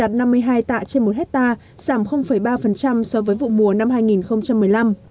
đạt năm mươi hai tạ trên một hectare giảm ba so với vụ mùa năm hai nghìn một mươi năm